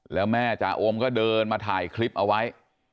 แล้วแม่จ่าโอมก็เดินมาถ่ายคลิปเอาไว้